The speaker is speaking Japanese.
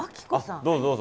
どうぞどうぞ。